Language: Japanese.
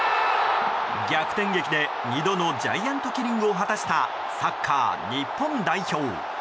逆転劇で２度のジャイアントキリングを果たしたサッカー日本代表。